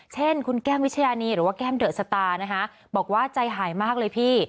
เช่นคุณแก้มวิชญานีหรือว่าแก้มเดอะสตาร์นะคะบอกว่าใจหายมากเลยพี่